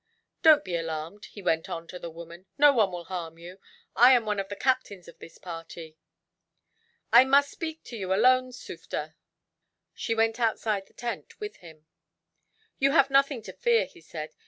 "Don't be alarmed," he went on, to the woman, "no one will harm you. I am one of the captains of this party." "I must speak to you alone, Sufder." She went outside the tent with him. "You have nothing to fear," he said.